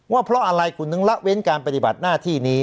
ว่าเพราะอะไรคุณถึงละเว้นการปฏิบัติหน้าที่นี้